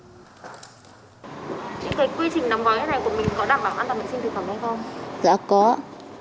quy trình đâm gói này của mình có đảm bảo an toàn bệnh sinh thực phẩm hay không